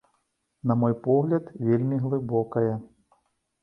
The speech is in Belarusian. На мой погляд, вельмі глыбокая.